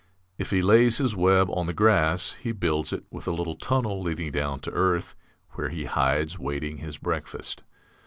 If he lays his web on the grass, he builds it with a little tunnel leading down to earth, where he hides waiting his breakfast.